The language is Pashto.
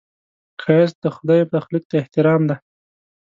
ښایست د خدای تخلیق ته احترام دی